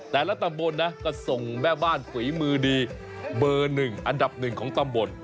แต่ละตำบลนะก็ส่งแม่บ้านฝีมือดีเบอร์หนึ่งอันดับหนึ่งของตำบล